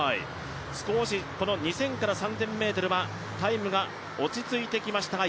少し、２０００から３０００ｍはタイムが、落ち着いてきました。